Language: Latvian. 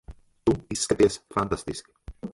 Tu izskaties fantastiski.